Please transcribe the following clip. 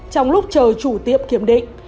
trong lúc chờ chủ tiệm kiểm định